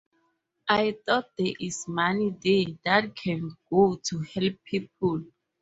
I thought there is money there that can go to help people.